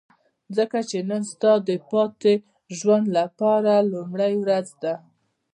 ځکه چې نن ستا د پاتې ژوند لپاره لومړۍ ورځ ده.